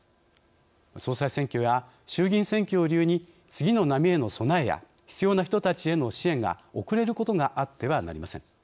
総裁選挙や衆議院選挙を理由に次の波への備えや必要な人たちへの支援が遅れることがあってはなりません。